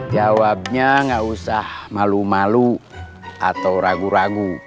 jawabnya nggak usah malu malu atau ragu ragu